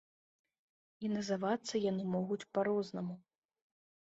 І называцца яны могуць па-рознаму.